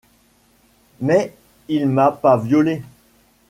Mais il m’a pas violée…